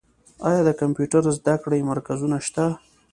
آیا د کمپیوټر زده کړې مرکزونه شته؟